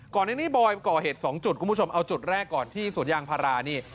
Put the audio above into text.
ในนี้บอยก่อเหตุ๒จุดคุณผู้ชมเอาจุดแรกก่อนที่สวนยางพารานี่